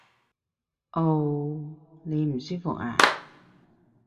嗷！你唔舒服呀？